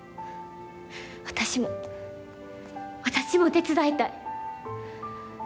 私も私も手伝いたい。